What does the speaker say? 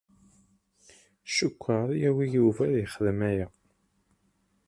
Cukkteɣ ad yagi Yuba ad yexdem aya.